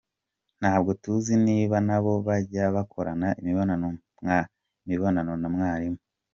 Ntabwo tuzi niba nabo bajya bakorana imibonano na mwarimu.